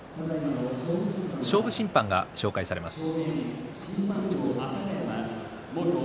勝負審判が紹介されています。